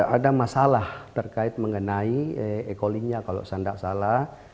ada masalah terkait mengenai e collingnya kalau saya tidak salah